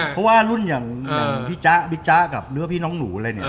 เพราะลุ่นที่พิทยาพิน้องหนู